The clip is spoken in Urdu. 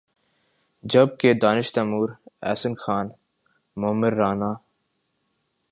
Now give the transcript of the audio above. جب کہ دانش تیمور، احسن خان، معمر رانا